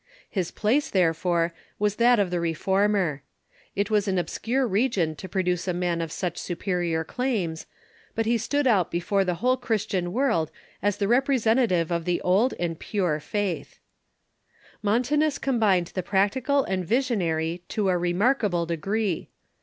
His place, therefore, was that of the reformer. It was an obscure region to produce a man of such superior claims. But he stood out before the whole Christian world as the representative of the old and pure faith, Montanus combined the practical and visionary to a remark able degree.